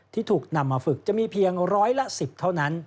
ที่ถูกนำมาฝึกจะมีเพียงร้อยละ๑๐เท่านั้น